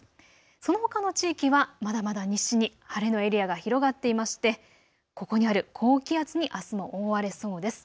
そのほかの地域はまだまだ西に晴れのエリアが広がっていましてここにある高気圧にあすも覆われそうです。